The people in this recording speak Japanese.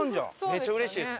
めっちゃうれしいです。